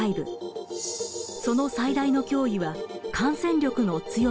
その最大の脅威は感染力の強さです。